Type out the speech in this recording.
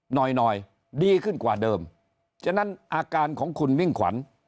หน่อยหน่อยดีขึ้นกว่าเดิมฉะนั้นอาการของคุณมิ่งขวัญ